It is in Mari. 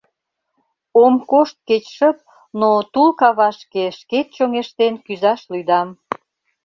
Ом кошт кеч шып, но тул кавашке Шкет чоҥештен кӱзаш лӱдам.